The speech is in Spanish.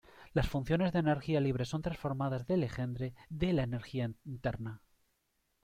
Las funciones de energía libre son transformadas de Legendre de la energía interna.